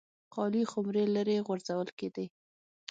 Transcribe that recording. خالي خُمرې لرې غورځول کېدې.